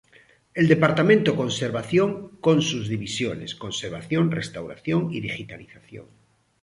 El Departamento Conservación con sus divisiones: Conservación, Restauración y Digitalización.